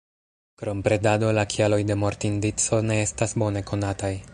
Krom predado la kialoj de mortindico ne estas bone konataj.